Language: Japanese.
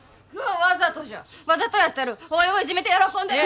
わざとじゃわざとやってるおいをいじめて喜んどる